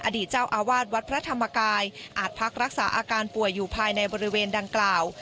อดีตเจ้าอาวาสวัดพระธรรมกายอาจพักรักษาอาการป่วยอยู่ภายในบริเวณดังกล่าว